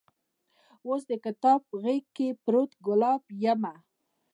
اوس دکتاب غیز کې پروت ګلاب یمه